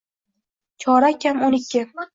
Chorak kam o’n ikki.